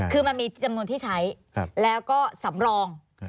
คือมันมีจำนวนที่ใช้แล้วก็สำรอง